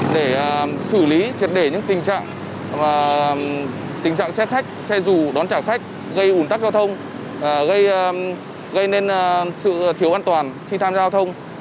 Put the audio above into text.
để xử lý triệt để những tình trạng tình trạng xe khách xe dù đón trả khách gây ủn tắc giao thông gây nên sự thiếu an toàn khi tham gia giao thông